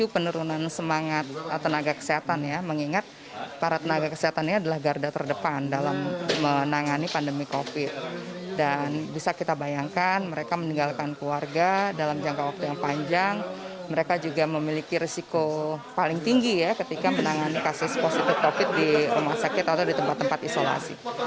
pertama penanganan covid sembilan belas adalah hal yang paling tinggi ketika menangani kasus positif covid sembilan belas di rumah sakit atau di tempat tempat isolasi